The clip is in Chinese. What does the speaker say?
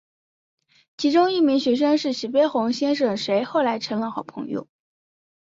其中一名学生是徐悲鸿先生谁后来成了好朋友。